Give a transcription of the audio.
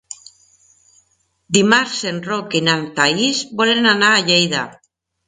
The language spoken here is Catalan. Dimarts en Roc i na Thaís volen anar a Lleida.